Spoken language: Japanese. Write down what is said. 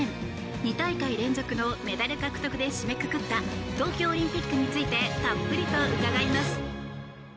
２大会連続のメダル獲得で締めくくった東京オリンピックについてたっぷりと伺います。